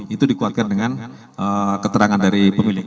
itu dikuatkan dengan keterangan dari pemilik